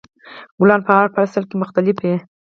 ګلان په هر فصل کې مختلف وي.